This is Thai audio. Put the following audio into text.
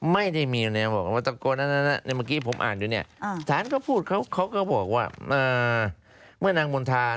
ไม่ได้มีอะไรเหรอ